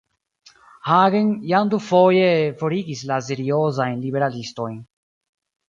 Hagen jam dufoje forigis la seriozajn liberalistojn.